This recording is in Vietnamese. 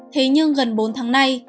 thế nhưng gần bốn tháng nay